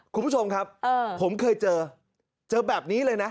คุณผู้ชมครับผมเคยเจอเจอแบบนี้เลยนะ